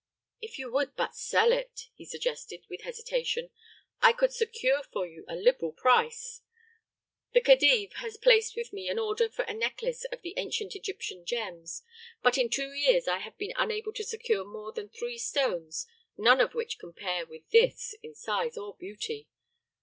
"If you would but sell it," he suggested, with hesitation, "I could secure for you a liberal price. The Khedive has placed with me an order for a necklace of the ancient Egyptian gems; but in two years I have been unable to secure more than three stones, none of which compare with this in size or beauty.